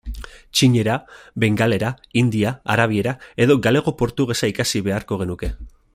Txinera, bengalera, hindia, arabiera, edo galego-portugesa ikasi beharko genuke.